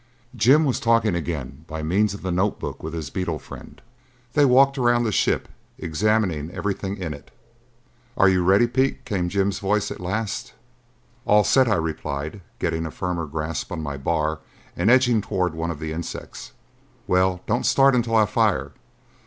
Jim was talking again by means of the notebook with his beetle friend. They walked around the ship, examining everything in it. "Are you ready, Pete?" came Jim's voice at last. "All set," I replied, getting a firmer grasp on my bar and edging toward one of the insects. "Well, don't start until I fire.